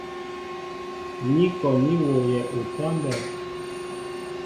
Ní kɔ ní wooyɛ utámbɛ́ɛ́.